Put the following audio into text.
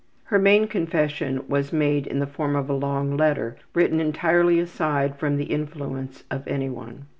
Her main confession was made in the form of a long letter written entirely aside from the influence of any one.